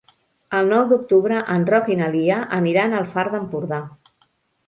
El nou d'octubre en Roc i na Lia aniran al Far d'Empordà.